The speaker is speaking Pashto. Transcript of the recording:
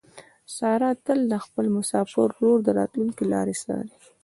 ساره تل د خپل مسافر ورور د راتلو لارې څاري.